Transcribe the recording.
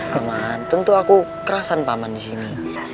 paman tentu aku kerasan paman disini